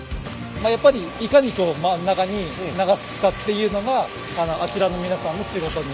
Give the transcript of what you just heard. やっぱりいかに真ん中に流すかっていうのがあちらの皆さんの仕事に。